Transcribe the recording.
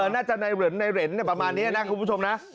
น่าจะในเหรนประมาณนี้นะคุณผู้ชมนะ